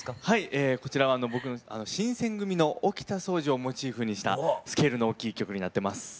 はいこちらは新選組の沖田総司をモチーフにしたスケールの大きい曲になってます。